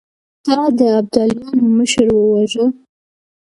تا د ابداليانو مشر وواژه!